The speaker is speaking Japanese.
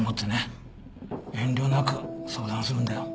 遠慮なく相談するんだよ。